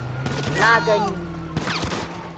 Na gani!